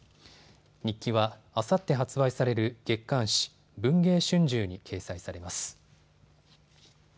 日記は、あさって発売される月刊誌、文藝春秋に掲載されます。